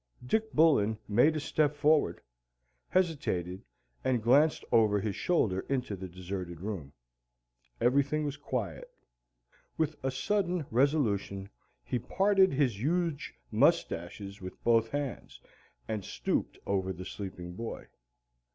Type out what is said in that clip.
Dick Bullen made a step forward, hesitated, and glanced over his shoulder into the deserted room. Everything was quiet. With a sudden resolution he parted his huge mustaches with both hands and stooped over the sleeping boy.